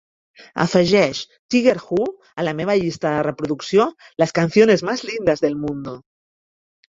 Afegeix tiger hu a la meva llista de reproducció Las Canciones Más Lindas Del Mundo